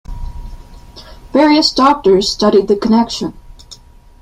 Various doctors studied the connection.